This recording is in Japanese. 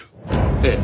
ええ。